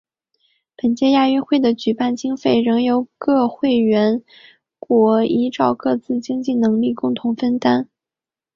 本届亚运会的举办经费仍由各会员国依照各自的经济能力共同分担。